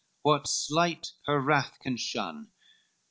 What sleight her wrath can shun?